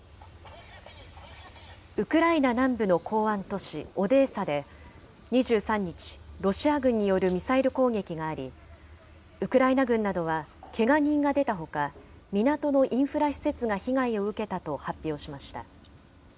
ウクライナ南部の港湾都市オデーサで、２３日、ロシア軍によるミサイル攻撃があり、ウクライナ軍などはけが人が出たほか、港のインフラ施設が被害を受けたと発表しました。